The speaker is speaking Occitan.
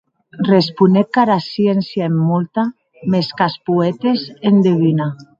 Responec qu'ara sciéncia en molta; mès qu'as poètes en deguna.